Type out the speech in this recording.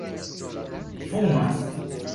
fumas